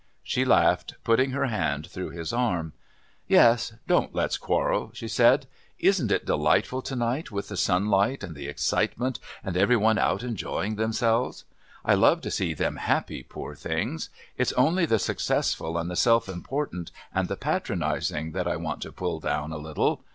She laughed, putting her hand through his arm. "Yes, don't let's quarrel," she said. "Isn't it delightful to night with the sunlight and the excitement and every one out enjoying themselves? I love to see them happy, poor things. It's only the successful and the self important and the patronising that I want to pull down a little.